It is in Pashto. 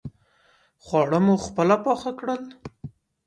خواړه مو خپله پاخه کړل.